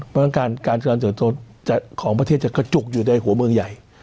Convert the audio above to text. เพราะฉะนั้นการเจริญเติบโตของประเทศจะกระจุกอยู่ในหัวเมืองใหญ่